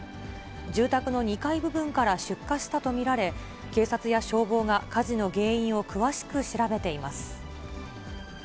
住宅の２階部分から出火したと見られ、警察や消防が火事の原因を詳しく調べています。